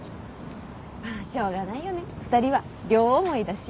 まあしょうがないよね２人は両思いだし。